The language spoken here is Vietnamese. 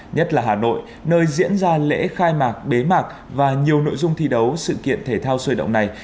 nhất là hà nội nơi diễn ra lễ khai mạc bế mạc và nhiều nội dung thi đấu sự kiện thể thao sôi động này